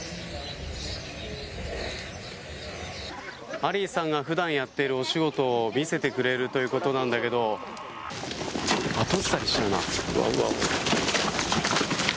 アリさんが普段やっているお仕事を見せてくれるということなんだけど後ずさりしちゃうな。